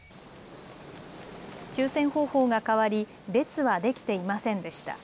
抽せん方法が変わり列はできていませんでした。